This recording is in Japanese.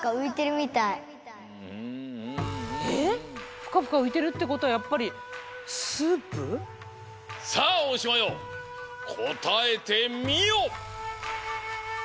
プカプカういてるってことはやっぱりさあ大島よこたえてみよ！